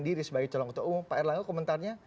diri sebagai calon ketua umum pak erlangga komentarnya